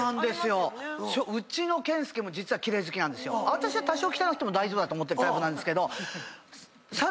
私は多少汚くても大丈夫だと思ってるタイプなんですけど。